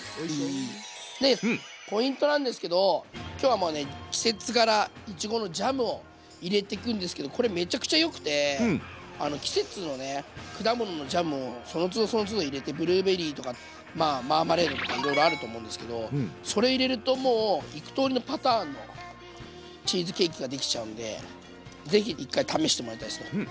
でポイントなんですけど今日はもうね季節柄いちごのジャムを入れてくんですけどこれめちゃくちゃよくて季節のね果物のジャムをそのつどそのつど入れてブルーベリーとかマーマレードとかいろいろあると思うんですけどそれ入れるともう幾とおりのパターンのチーズケーキが出来ちゃうんで是非一回試してもらいたいですね。